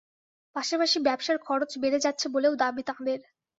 পাশাপাশি ব্যবসার খরচ বেড়ে যাচ্ছে বলেও দাবি তাঁদের।